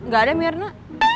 gak ada mirna